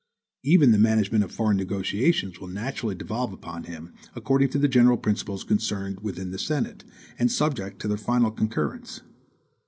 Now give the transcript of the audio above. Even the management of foreign negotiations will naturally devolve upon him, according to general principles concerted with the Senate, and subject to their final concurrence.